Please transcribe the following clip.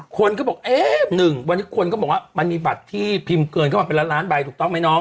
คนก็บอกเอ๊ะ๑วันนี้คนก็บอกว่ามันมีบัตรที่พิมพ์เกินเข้ามาเป็นล้านใบถูกต้องไหมน้อง